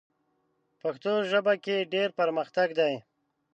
پښتو ژبه کې ډېر پرمختګ دی.